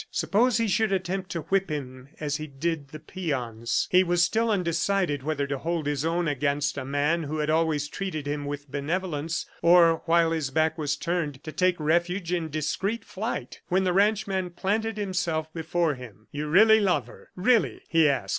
Suppose he should attempt to whip him as he did the peons? ... He was still undecided whether to hold his own against a man who had always treated him with benevolence or, while his back was turned, to take refuge in discreet flight, when the ranchman planted himself before him. "You really love her, really?" he asked.